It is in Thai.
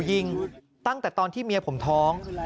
ยิงตั้งแต่ตอนที่เมียผมท้อง